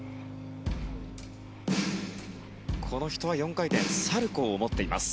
この人は４回転サルコウを持っています。